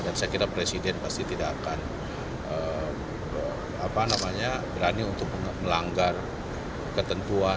dan saya kira presiden pasti tidak akan berani untuk melanggar ketentuan